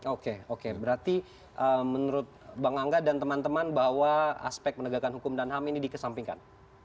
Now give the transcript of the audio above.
oke oke berarti menurut bang angga dan teman teman bahwa aspek penegakan hukum dan ham ini dikesampingkan